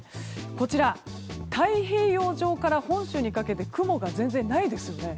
こちら、太平洋上から本州にかけて雲が全然ないですよね。